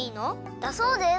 だそうです。